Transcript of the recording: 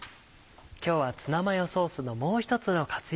今日はツナマヨソースのもう１つの活用